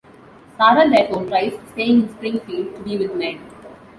Sara therefore tries staying in Springfield, to be with Ned.